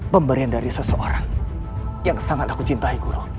pemberian dari seseorang yang sangat aku cintai